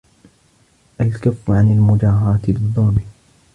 الْكَفُّ عَنْ الْمُجَاهَرَةِ بِالظُّلْمِ